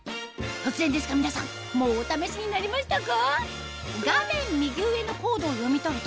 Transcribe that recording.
突然ですが皆さんもうお試しになりましたか？